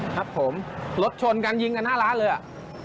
ครับผมรถชนกันยิงกันหน้าร้านเลยอ่ะ